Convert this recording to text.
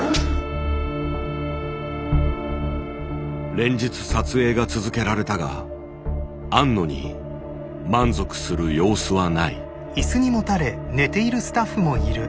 連日撮影が続けられたが庵野に満足する様子はない。